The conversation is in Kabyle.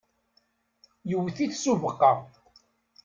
yewwet-it s ubeqqa.